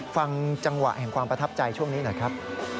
ฟังจังหวะแห่งความประทับใจช่วงนี้หน่อยครับ